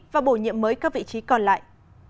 và bổ nhiệm mới các vị trí còn lại